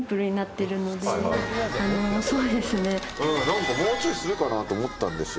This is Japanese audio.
何かもうちょいするかなと思ったんですよ。